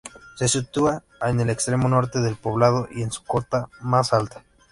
Se sitúa en el extremo norte del poblado y en su cota más alta.